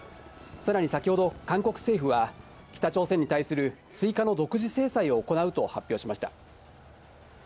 さらに先ほど韓国政府は北朝鮮に対する追加の独自制裁を行うと発表しました。